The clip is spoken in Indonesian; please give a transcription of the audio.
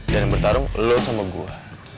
dan bertarung lo sama gue